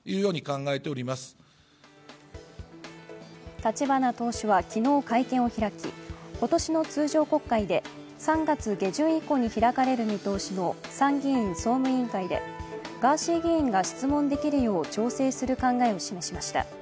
立花党首は昨日会見を開き今年の通常国会で３月下旬以降に開かれる見通しの参議院総務委員会でガーシー議員が質問できるよう調整する考えを示しました。